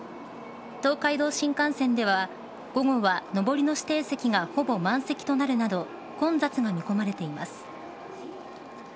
東海道新幹線では午後は上りの指定席がほぼ満席となるなど混雑が見込まれています。